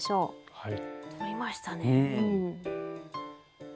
はい。